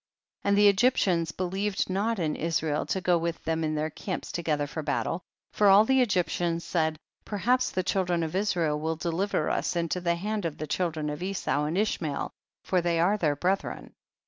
23. And the Egyptians believed not in Israel to go with them in their camps together for battle, for all the Egyptians said, perhaps the children of Israel will deliver us into the hand of the children of Esau and Ishmael, for they are their brethren.